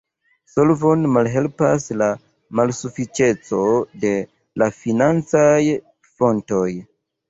Solvon malhelpas la malsufiĉeco de la financaj fontoj.